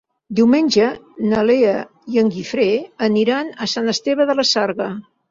Diumenge na Lea i en Guifré aniran a Sant Esteve de la Sarga.